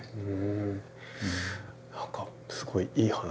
何かすごいいい話。